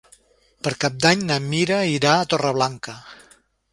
Per Cap d'Any na Mira irà a Torreblanca.